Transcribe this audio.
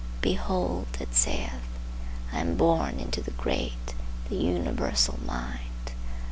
Behold, it saith, I am born into the great, the universal mind.